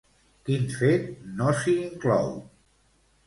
Quin fet no s'hi inclou?